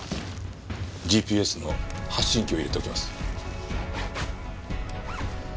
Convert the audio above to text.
ＧＰＳの発信機を入れておきます。